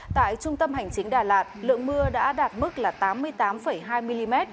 tại trung tâm hành chính đà lạt lượng mưa đã đạt mức là tám mươi tám hai mm